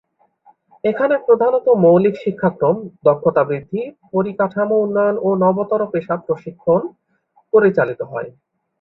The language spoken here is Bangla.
এখানে প্রধানত মৌলিক শিক্ষাক্রম, দক্ষতা বৃদ্ধি, পরিকাঠামো উন্নয়ন ও নবতর পেশাগত প্রশিক্ষণ পরিচালিত হয়।